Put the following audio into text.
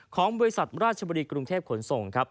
ของบริษัทราชบุรีกรุงเทพขนส่งครับ